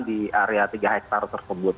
di area tiga hektare tersebut